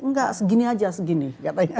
enggak segini aja segini katanya